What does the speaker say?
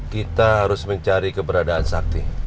kita harus mencari keberadaan sakti